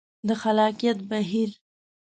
د خلاقیت بهیر